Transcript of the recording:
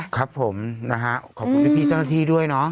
ครับผมนะฮะขอบคุณพี่เจ้าหน้าที่ด้วยเนาะ